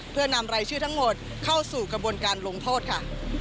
เพื่อนำรายชื่อทั้งหมดเข้าสู่กระบวนการลงโทษค่ะ